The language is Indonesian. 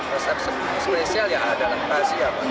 resep spesial ya ada rahasia pak